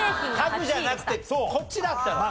家具じゃなくてこっちだったのね。